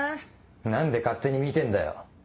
何で勝手に見てんだよ。